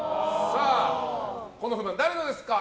この不満、誰のですか。